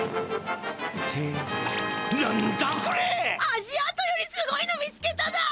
足あとよりすごいの見つけただ！